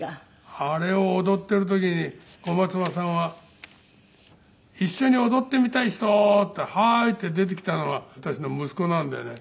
あれを踊っている時に小松政夫が「一緒に踊ってみたい人？」って言ったら「はーい」って出てきたのが私の息子なんでね